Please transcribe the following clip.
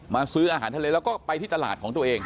ซื้ออาหารทะเลแล้วก็ไปที่ตลาดของตัวเอง